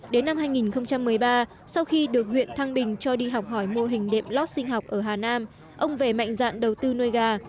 đến năm hai nghìn một mươi ba sau khi được huyện thăng bình cho đi học hỏi mô hình đệm lót sinh học ở hà nam ông về mạnh dạn đầu tư nuôi gà